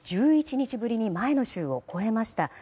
１１日ぶりに前の週を超えました。